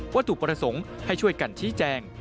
ถูกประสงค์ให้ช่วยกันชี้แจง